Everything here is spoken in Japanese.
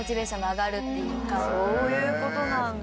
そういうことなんだ。